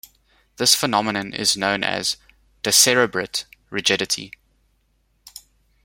This phenomenon is known as decerebrate rigidity.